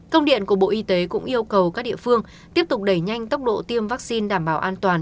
công điện của bộ y tế cũng yêu cầu các địa phương tiếp tục đẩy nhanh tốc độ tiêm vaccine đảm bảo an toàn